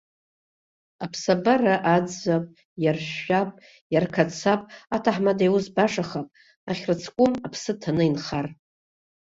Аԥсабара аӡәӡәап, иаршәшәап, иарқацап, аҭаҳмада иус башахап, ахьырцкәым аԥсы ҭаны инхар.